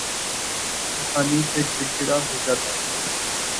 آسانی سے چڑ چڑا ہو جاتا ہوں